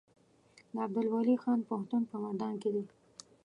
د عبدالولي خان پوهنتون په مردان کې دی